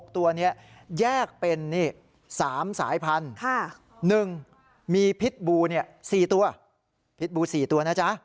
๖ตัวนี้แยกเป็น๓สายพันธุ์๑มีพิษบู๔ตัว